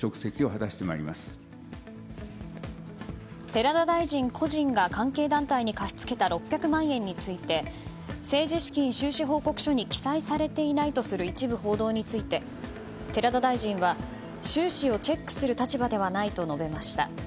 寺田大臣個人が関係団体に貸し付けた６００万円について政治資金収支報告書に記載されていないとする一部報道について、寺田大臣は収支をチェックする立場ではないと述べました。